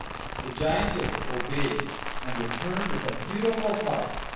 The Giantess obeyed, and returned with a beautiful harp.